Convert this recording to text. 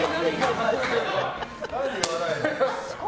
何で言わないの。